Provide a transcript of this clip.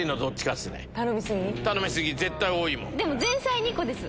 でも前菜２個です。